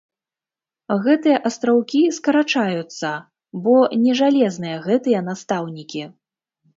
Гэтыя астраўкі скарачаюцца, бо не жалезныя гэтыя настаўнікі.